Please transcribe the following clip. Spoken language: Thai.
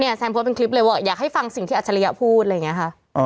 แซนโพสต์เป็นคลิปเลยว่าอยากให้ฟังสิ่งที่อัจฉริยะพูดอะไรอย่างนี้ค่ะ